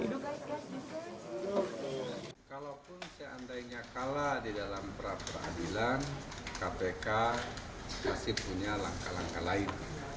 kalaupun seandainya kalah di dalam pra peradilan kpk masih punya langkah langkah lain